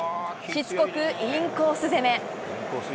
しつこくインコース攻め。